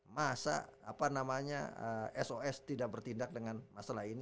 masa apa namanya sos tidak bertindak dengan masalah ini